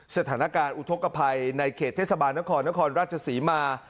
สถานการณ์อุทธกภัยในเขตเทศบาลนครนครราชศรีมา